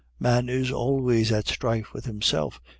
Man is always at strife with himself.